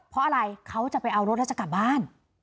เพราะอะไรเขาจะไปเอารถแล้วจะกลับบ้าน